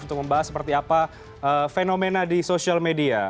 untuk membahas seperti apa fenomena di sosial media